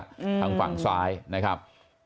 ทางฝั่งซ้ายนะครับ